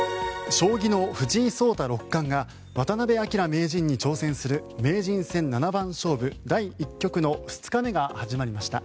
将棋の藤井聡太六冠が渡辺明名人に挑戦する名人戦七番勝負第１局の２日目が始まりました。